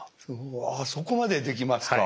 うわそこまでできますか。